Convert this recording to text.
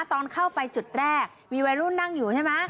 ตอนเข้าไปจุดแรกมีวัยรุ่นนั่งอยู่ใช่ไหม